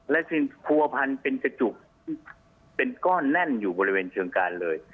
และผัวพันเป็นกระจุกเป็นก้อนแน่นอยู่บริเวณเชิงการเลย